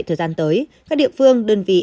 thời gian tới các địa phương đơn vị